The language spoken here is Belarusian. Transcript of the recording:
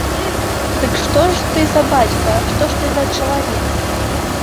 Дык што ж ты за бацька, што ж ты за чалавек?